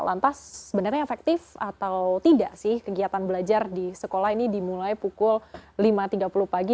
lantas sebenarnya efektif atau tidak sih kegiatan belajar di sekolah ini dimulai pukul lima tiga puluh pagi